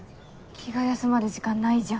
気が休まる時間ないじゃん。